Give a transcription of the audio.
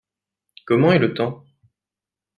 Comment est le temps ?